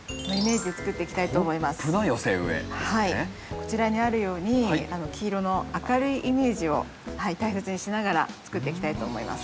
こちらにあるように黄色の明るいイメージを大切にしながら作っていきたいと思います。